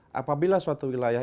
mereka gilis dan ditemukan